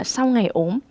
sau ngày ốm